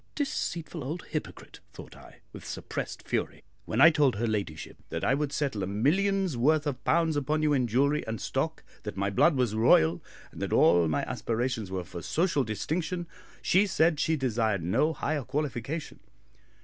"Deceitful old hypocrite"; thought I, with suppressed fury. "When I told her ladyship that I would settle a million's worth of pounds upon you in jewellery and stock, that my blood was royal, and that all my aspirations were for social distinction, she said she desired no higher qualification.